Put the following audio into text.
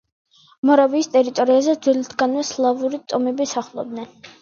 მორავიის ტერიტორიაზე ძველთაგანვე სლავური ტომები სახლობდნენ.